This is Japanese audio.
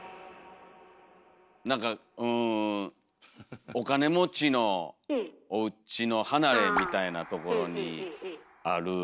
なんかうんお金持ちのおうちの離れみたいなところにある。